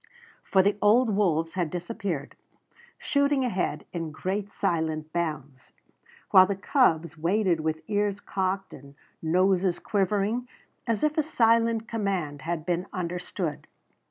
For the old wolves had disappeared, shooting ahead in great, silent bounds, while the cubs waited with ears cocked and noses quivering, as if a silent command had been understood.